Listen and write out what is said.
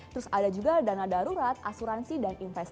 terus ada juga dana darurat asuransi dan investasi